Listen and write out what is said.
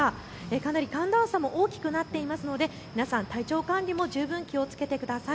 かなり寒暖差も大きくなっているので皆さん、体調管理も十分気をつけてください。